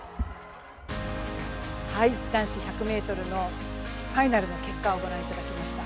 男子１００ｍのファイナルの結果を御覧いただきました。